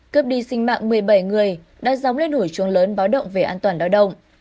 cướp đi sinh mạng một mươi bảy người đã dóng lên hủi chuông lớn báo động về an toàn lao động